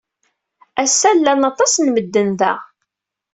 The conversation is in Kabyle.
Ass-a, llan aṭas n medden da.